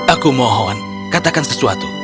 aku mohon katakan sesuatu